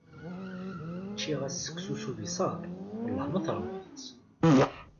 Ččiɣ-as seksu s ubisaṛ, Wellah ma teṛwiḍ-t.